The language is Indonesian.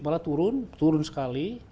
malah turun turun sekali